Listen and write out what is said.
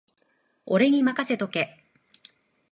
俺にまかせとけ